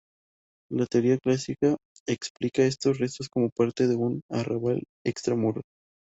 La teoría clásica explica estos restos como parte de un arrabal extramuros.